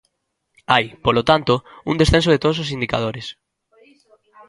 Hai, polo tanto, un descenso de todos os indicadores.